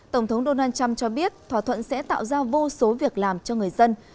tổng thống donald trump cho biết thỏa thuận sẽ tạo ra vô số việc làm cho người dân